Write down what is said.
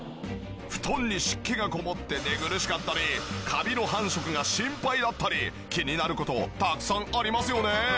布団に湿気がこもって寝苦しかったりカビの繁殖が心配だったり気になる事たくさんありますよね。